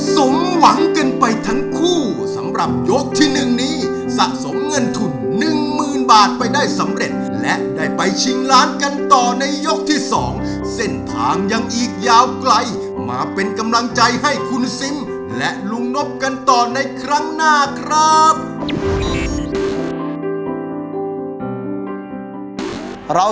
สมหวังกันไปทั้งคู่สำหรับยกที่๑นี้สะสมเงินทุนหนึ่งหมื่นบาทไปได้สำเร็จและได้ไปชิงล้านกันต่อในยกที่สองเส้นทางยังอีกยาวไกลมาเป็นกำลังใจให้คุณซิมและลุงนบกันต่อในครั้งหน้าครับ